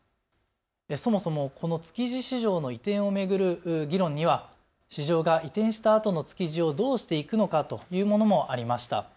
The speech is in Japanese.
そもそもこの築地市場の移転を巡る議論には市場が移転したあとの築地をどうしていくのかというものもありました。